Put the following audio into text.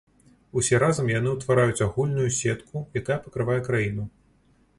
Усе разам яны ўтвараюць агульную сетку, якая пакрывае краіну.